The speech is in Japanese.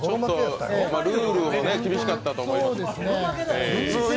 ルールも厳しかったと思います。